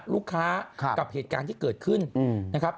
ลูกค้ากับเหตุการณ์ที่เกิดขึ้นนะครับ